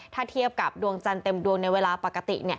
ถ้าเทียบกับดวงจันทร์เต็มดวงในเวลาปกติ